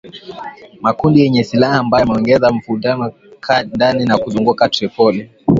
makundi yenye silaha ambayo yameongeza mvutano ndani na kuzunguka Tripoli